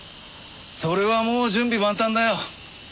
それはもう準備万端だよ。